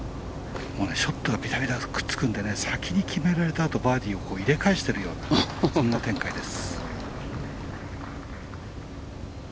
ショットがくっつくので先に決められたあとバーディーを入れ返しているような展開です。